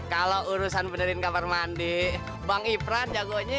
kalau urusan benerin kamar mandi bang ipran jagonya